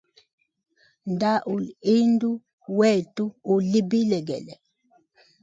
Nda uli indu wetu uli bilegele.